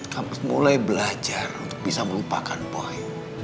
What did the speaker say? kamu harus mulai belajar untuk bisa melupakan boy